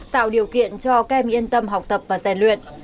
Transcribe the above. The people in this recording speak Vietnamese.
tạo điều kiện cho kem yên tâm học tập và rèn luyện